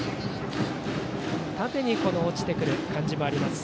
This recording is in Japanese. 縦に落ちてくる感じもあります